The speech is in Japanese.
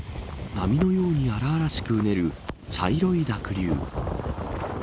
波のように荒々しくうねる茶色い濁流。